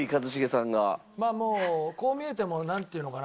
まあもうこう見えてもなんていうのかな？